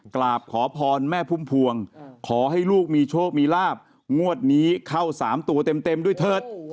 กราบขอพรแม่พุ่มพวงขอให้ลูกมีโชคมีลาบงวดนี้เข้า๓ตัวเต็มด้วยเถิด